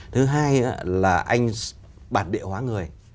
thứ hai là anh bản địa hóa người